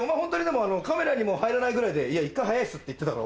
カメラにも入らないぐらいで「一回早いっす」って言ってたろ？